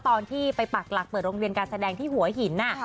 ตอนที่ไปปักหลักเปิดโรงเรียนการแสดงที่หัวหิน